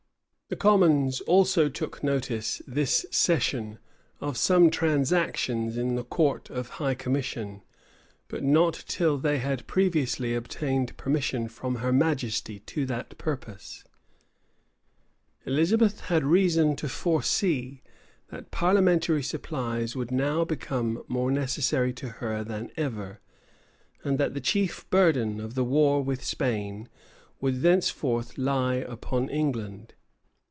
[*] The commons also took notice, this session, of some transactions in the court of high commission; but not till they had previously obtained permission from her majesty to that purpose.[] * D'Ewes, p. 547. D'Ewes, p. 557, 558. {1598.} Elizabeth had reason to foresee, that parliamentary supplies would now become more necessary to her than ever; and that the chief burden of the war with Spain would thenceforth lie upon England.